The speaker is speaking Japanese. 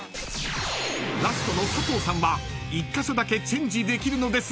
［ラストの佐藤さんは１カ所だけチェンジできるのですが］